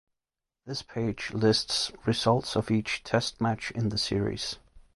This page lists results of each test match in the series.